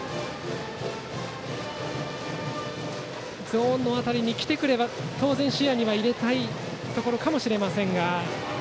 ゾーンの辺りに来てくれれば当然視野には入れたいかもしれません。